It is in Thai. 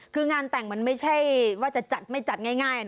คืองานแต่งมันไม่ใช่ว่าจะจัดไม่จัดง่ายนะ